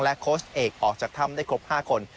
โค้ชเอกออกจากถ้ำได้ครบ๕คน